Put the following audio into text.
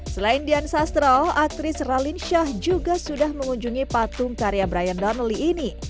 selain dian sastro aktris ralin shah juga sudah mengunjungi patung karya brian donnally ini